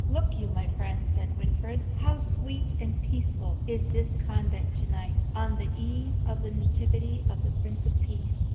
"Look you, my friends," said Winfried, "how sweet and peaceful is this convent to night, on the eve of the nativity of the Prince of Peace!